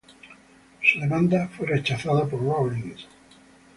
Su demanda fue rechazada por Rawlings.